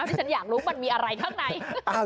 ที่ฉันอยากรู้มันมีอะไรข้างใน